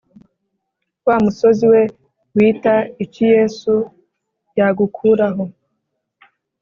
wa musozi we wita iki yesu yagukuraho